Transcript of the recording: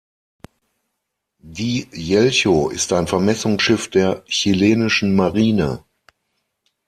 Die Yelcho ist ein Vermessungsschiff der chilenischen Marine.